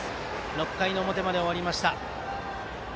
６回の表まで終わりました。